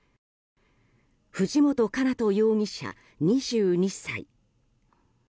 藤本叶人容疑者、２２歳。